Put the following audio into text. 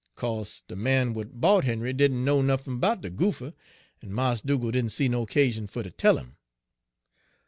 Co'se de man w'at bought Henry didn' know nuffin 'bout de goopher, en Mars Dugal' didn' see no 'casion fer ter tell 'im.